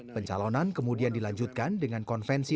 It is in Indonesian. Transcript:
pencalonan kemudian dilanjutkan dengan konvensi